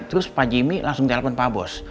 terus pak jimmy langsung telepon pak bos